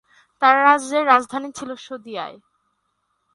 তার রাজ্যের রাজধানী ছিল শদিয়ায়।